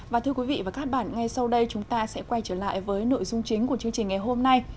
và thưa quý vị và các bạn ngay sau đây chúng ta sẽ quay trở lại với nội dung chính của chương trình ngày hôm nay